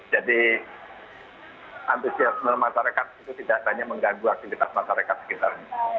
jadi antusiasnya masyarakat itu tidak hanya mengganggu aktivitas masyarakat sekitar